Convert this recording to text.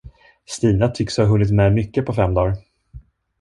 Stina tycks ha hunnit med mycket på fem dar.